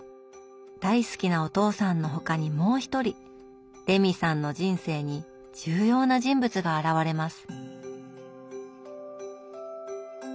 大好きなお父さんの他にもう一人レミさんの人生に重要な人物が現れます。